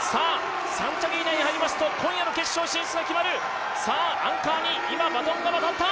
３着以内に入りますと今夜の決勝進出が決まるアンカーにバトンが渡った！